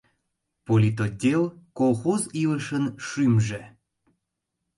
Политотдел — колхоз илышын шӱмжӧ.